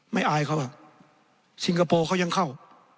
ไม่อายเขาสิงคโปร์เขายังเข้า